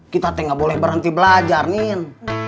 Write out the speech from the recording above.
kita tak boleh berhenti belajar nin